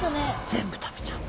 全部食べちゃった。